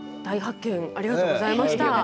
大発見ありがとうございました。